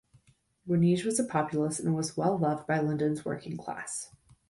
Wenige was a populist and was well loved by London's working class.